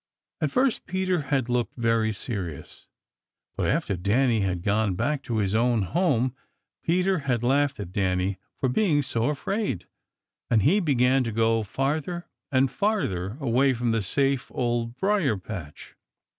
At first Peter had looked very serious, but after Danny had gone back to his own home Peter had laughed at Danny for being so afraid, and he began to go farther and farther away from the safe Old Briar patch.